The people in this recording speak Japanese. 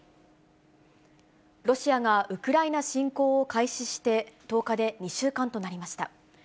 ロシアがウクライナ侵攻を開始して１０日で２週間となりました。